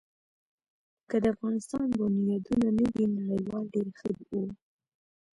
که د افغانستان بنیادونه نه وی نړېدلي، ډېر ښه وو.